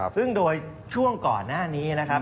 ซึ่งโดยช่วงก่อนหน้านี้นะครับ